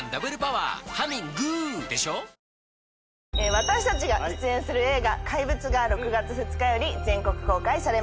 私たちが出演する映画『怪物』が６月２日より全国公開されます。